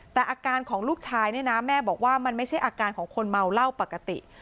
แต่อาการของลูกชายเนี่ยนะแม่บอกว่ามันไม่ใช่อาการของคนเมาเหล้าปกติ